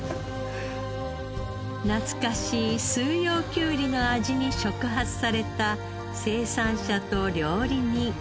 懐かしい四葉きゅうりの味に触発された生産者と料理人。